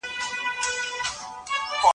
موږ به تر ماښامه پورې خپل تمرین جاري ساتو.